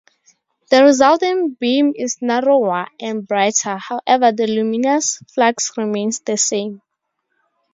The resulting beam is narrower and brighter, however the luminous flux remains the same.